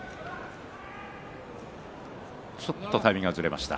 ちょっとタイミングがずれました。